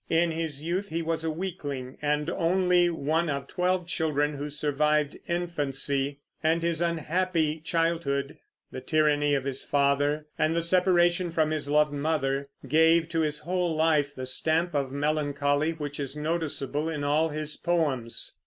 In his youth he was a weakling, the only one of twelve children who survived infancy; and his unhappy childhood, the tyranny of his father, and the separation from his loved mother, gave to his whole life the stamp of melancholy which is noticeable in all his poems.